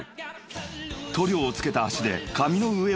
［塗料を付けた足で紙の上をステップ］